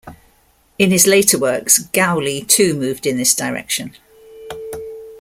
In his later works, Gaulli too moved in this direction.